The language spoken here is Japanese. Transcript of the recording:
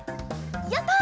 やった！